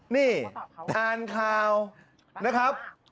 นี่อ่านข่าวนะครับ